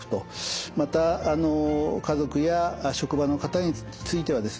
また家族や職場の方についてはですね